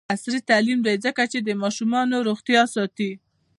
عصري تعلیم مهم دی ځکه چې د ماشومانو روغتیا ساتي.